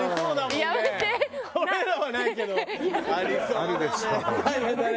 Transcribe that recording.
俺らはないけどありそうだね。